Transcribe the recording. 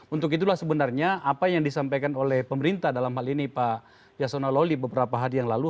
untuk itulah sebenarnya apa yang disampaikan oleh pemerintah dalam hal ini pak yasona loli beberapa hari yang lalu